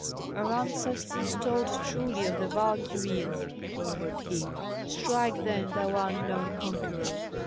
"Our ancestors told truly of the Valkyrias," murmured he. "Strike, then, thou unknown conqueror."